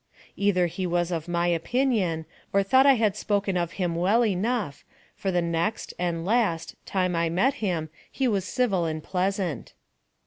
Either he was of my opinion, or thought I had spoken of him well enough, for the next (and last) time I met him he was civil and pleasant.